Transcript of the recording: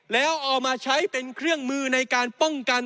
แล้วเอามาใช้เป็นเครื่องมือในการป้องกัน